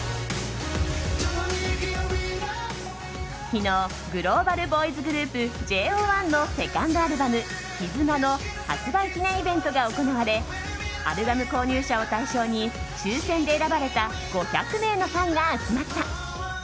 昨日、グローバルボーイズグループＪＯ１のセカンドアルバム「ＫＩＺＵＮＡ」の発売記念イベントが行われアルバム購入者を対象に抽選で選ばれた５００名のファンが集まった。